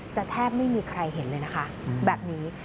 แทบไม่มีใครเห็นเลยนะคะแบบนี้